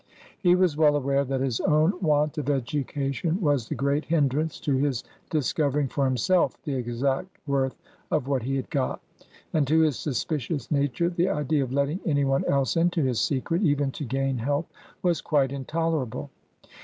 He was well aware that his own want of education was the great hindrance to his discovering for himself the exact worth of what he had got. And to his suspicious nature the idea of letting any one else into his secret, even to gain help, was quite intolerable.